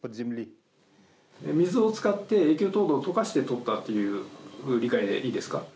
水を使って、永久凍土をとかして取ったという理解でよろしいですか。